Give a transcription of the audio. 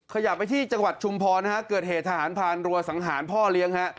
ขยับไปที่จังหวัดชุมพรนะฮะเกิดเหตุทหารพานรัวสังหารพ่อเลี้ยงฮะ